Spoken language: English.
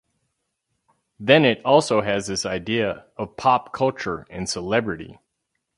Then it also has this idea of pop culture and celebrity.